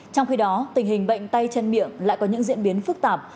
trong khi đó tình hình bệnh tay chân miệng lại có những diễn biến phức tạp